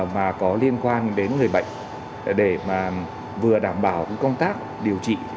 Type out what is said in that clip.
mà có liên quan đến người bệnh để mà vừa đảm bảo công tác điều trị